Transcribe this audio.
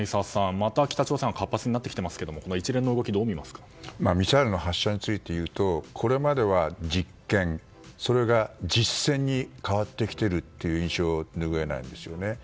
また北朝鮮が活発になってきていますがこの一連の動きをミサイルの発射についていうとこれまでは実験それが実戦に変わってきているという印象拭えないんですよね。